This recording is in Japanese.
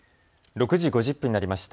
６時５０分になりました。